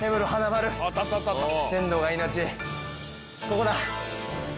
ここだ！